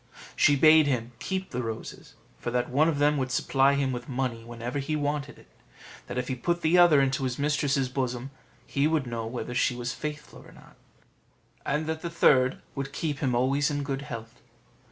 She bade him keep the roses, for that one of them would supply him with money whenever he wanted it; that if he put the other into his mistress's bosom, he would know whether she was faithful or not; and that the third would keep him always in good health.